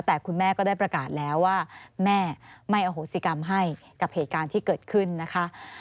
แต่คุณแม่ก็ได้ประกาศแล้วว่าแม่ไม่อโหสิกรรมให้กับเหตุการณ์ที่เกิดขึ้นนะคะ